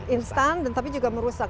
instan tapi juga merusak